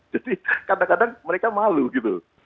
jadi kadang kadang mereka malu gitu